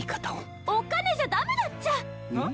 お金じゃ駄目だっちゃ！ん？